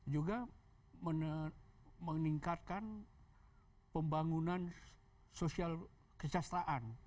juga meningkatkan pembangunan sosial kesejahteraan